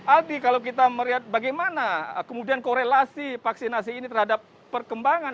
aldi kalau kita melihat bagaimana kemudian korelasi vaksinasi ini terhadap perkembangan